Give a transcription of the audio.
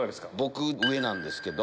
僕上なんですけど。